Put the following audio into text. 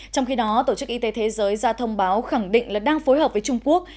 trong khi đó tổ chức y tế thế giới ra thông báo khẳng định là đang phối hợp với trung quốc